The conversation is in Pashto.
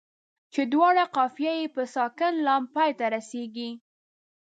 چې دواړو قافیه یې په ساکن لام پای ته رسيږي.